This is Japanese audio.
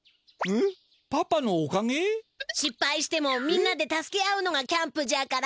しっぱいしてもみんなで助け合うのがキャンプじゃから。